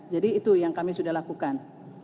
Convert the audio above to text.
jadi itu yang kami sudah lakukan